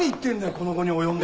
この期に及んで。